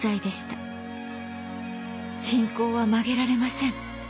「信仰は曲げられません」。